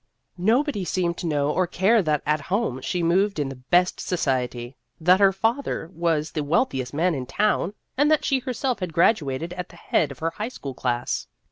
Nobody seemed to know or care that at home she moved in the best society, that her father was the wealthiest man in town, and that she herself had graduated at the head of The History of an Ambition 29 her high school class.